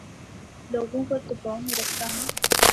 لوگوں کو دباو میں رکھتا ہوں